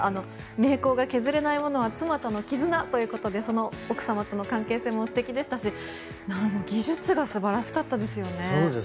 名工が削れないものは妻とのきずなということでその奥様との関係性も素敵でしたし技術が素晴らしかったですよね。